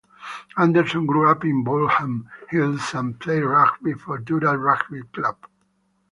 Anderson grew up in Baulkham Hills and played rugby for Dural rugby club.